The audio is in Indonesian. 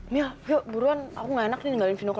mbak mbak terima kasih sebenarnya